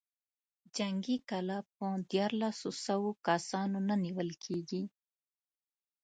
جنګي کلا په ديارلسو سوو کسانو نه نېول کېږي.